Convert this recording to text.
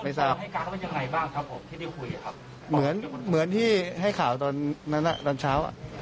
พ่อก่อนที่ขึ้นมาแล้วเขาก็เสียใจ